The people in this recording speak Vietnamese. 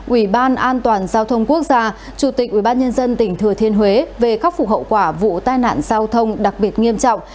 ubndgt chủ tịch ubnd tỉnh thừa thiên huế về khắc phục hậu quả vụ tai nạn giao thông đặc biệt nghiêm trọng